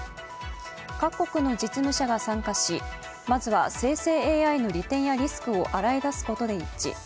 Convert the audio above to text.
各国の実務者が参加し、まず生成ＡＩの利点やリスクを洗い出すことで一致。